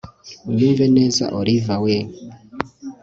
unyumve neza oliva we